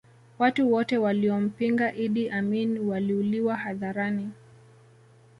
watu wote waliompinga iddi amini waliuliwa hadharani